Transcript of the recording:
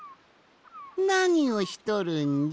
なにをしとるんじゃ？